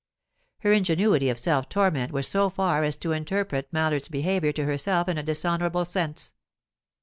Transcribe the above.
Her ingenuity of self torment went so far as to interpret Mallard's behaviour to herself in a dishonourable sense.